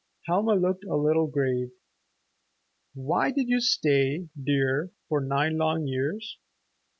Helma looked a little grave. "Why did you stay, dear, for nine long years?"